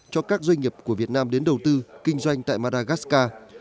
cho các doanh nghiệp của việt nam đến đầu tư kinh doanh tại madagascar